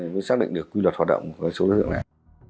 mới xác định được quy luật hoạt động số đối tượng này